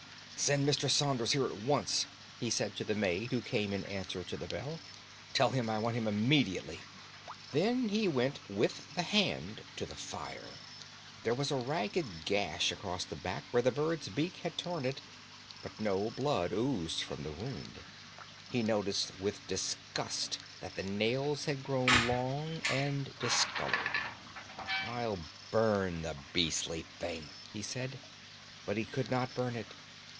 "Send Mr. Saunders here at once," he said to the maid who came in answer to the bell. "Tell him I want him immediately." Then he went with the hand to the fire. There was a ragged gash across the back where the bird's beak had torn it, but no blood oozed from the wound. He noticed with disgust that the nails had grown long and discolored. "I'll burn the beastly thing," he said. But he could not burn it.